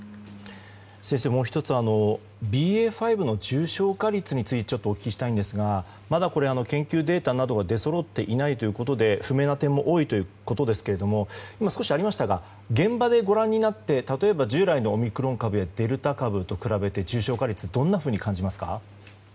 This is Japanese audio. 先生、もう１つＢＡ．５の重症化率についてお聞きしたいんですがまだ研究データなどが出そろっていないということで不明な点も多いそうですが今、少しありましたが現場でご覧になって例えば従来のオミクロン株やデルタ株と比べて重症化率についてどのように感じますか？